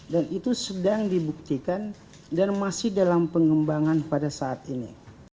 dan itu sedang dibuktikan dan masih dalam pengembangan pada saat ini